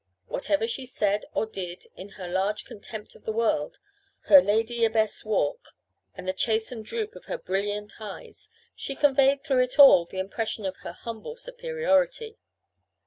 Whatever she said or did, in her large contempt of the world, her lady abbess walk, and the chastened droop of her brilliant eyes, she conveyed through it all the impression of her humble superiority.